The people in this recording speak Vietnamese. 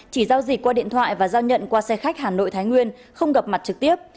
chỉ giao dịch qua điện thoại và giao nhận qua xe khách hà nội thái nguyên không gặp mặt trực tiếp